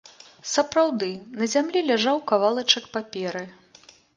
Сапраўды, на зямлі ляжаў кавалачак паперы.